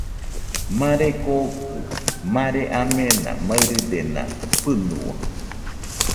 Mare kookɨ mare amena maɨridena fɨnua.